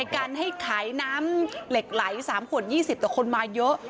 การให้ขายน้ำเหล็กไหล๓ขวด๒๐ต่อคนมาเยอะ